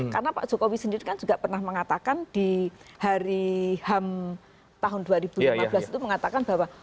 karena pak jokowi sendiri kan juga pernah mengatakan di hari ham tahun dua ribu lima belas itu mengatakan bahwa